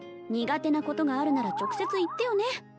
苦手なことがあるなら直接言ってよね